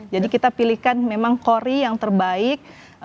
jadi kita pilihkan memang kori yang terbaik